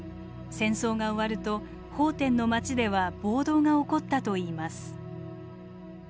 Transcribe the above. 戦争が終わると奉天の町では暴動が起こったといいます。